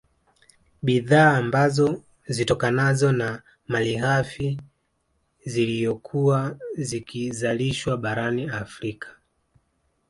Bidhaa ambazo zitokanazo na malighafi ziliyokuwa zikizalishwa barani Afrika